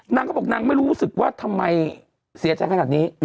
นางก็บอกนางไม่รู้สึกว่าทำไมเสียใจขนาดนี้